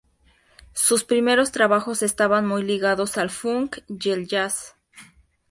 Sus primeros trabajos estaban muy ligados al funk y el jazz.